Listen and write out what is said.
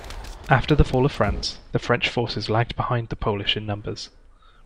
After the fall of France, the French forces lagged behind the Polish in numbers.